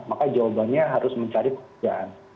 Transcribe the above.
maka jawabannya harus mencari pekerjaan